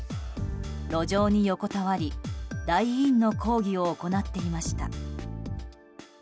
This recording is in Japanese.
路上に横たわり、ダイ・インの抗議を行っていました。